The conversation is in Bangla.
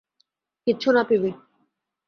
কিচ্ছু না, পিবি।